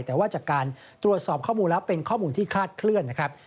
แต่ว่าจากการตรวจสอบข้อมูลแล้วเป็นข้อมูลที่คลาดเคลื่อนนะครับ